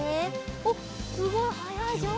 おっすごいはやいじょうず！